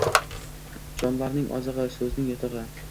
Jonlarning ozig’i — so’zning yotig’i